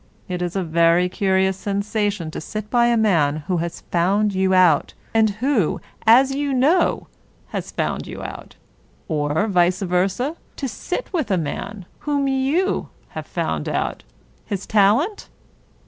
It is a very curious sensation to sit by a man who has found you out, and who, as you know, has found you out ; or, vice versa, to sit with a man whom you have found out. His talent?